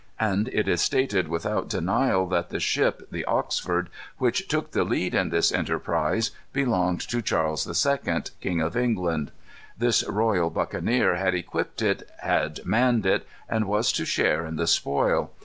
And it is stated without denial that the ship, the Oxford, which took the lead in this enterprise, belonged to Charles II., King of England. This royal buccaneer had equipped it, had manned it, and was to share in the spoil.